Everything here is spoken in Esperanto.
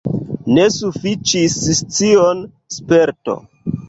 Ne sufiĉis scioj, sperto.